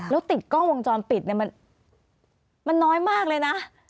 แล้วติดกล้องวงจรปิดเนี่ยมันน้อยมากเลยนะ